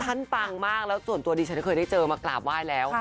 ปังมากแล้วส่วนตัวดิฉันเคยได้เจอมากราบไหว้แล้ว